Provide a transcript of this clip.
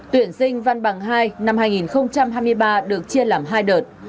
tuyển sinh văn bằng hai năm hai nghìn hai mươi ba được chia làm hai đợt